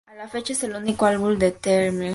A la fecha, es el único álbum de The Mr.